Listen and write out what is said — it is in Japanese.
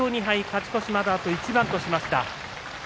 勝ち越しまであと一番としました。